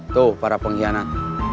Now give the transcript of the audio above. tuh para pengkhianat